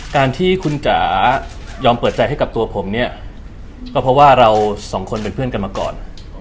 การที่คุณจ๋ายอมเปิดใจให้กับตัวผมเนี่ยก็เพราะว่าเราสองคนเป็นเพื่อนกันมาก่อน